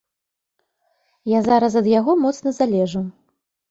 Я зараз ад яго моцна залежу.